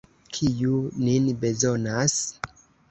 Kiu nin bezonas?